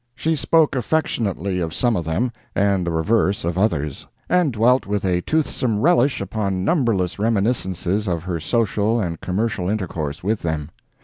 She spoke affectionately of some of them, and the reverse of others; and dwelt with a toothsome relish upon numberless reminiscences of her social and commercial intercourse with them.